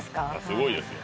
すごいですよ